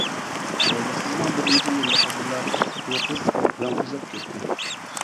تولۇقسىزنىڭ بىرىنچى يىللىقىدىلا ئۇ قىز رەڭ تۈزەپ كەتتى.